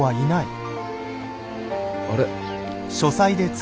あれ？